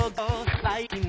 はい！